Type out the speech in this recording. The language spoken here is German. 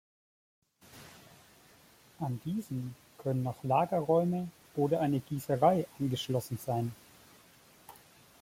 An diesen können noch Lagerräume oder eine Gießerei angeschlossen sein.